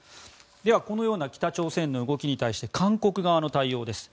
では、このような北朝鮮の動きに対して韓国側の対応です。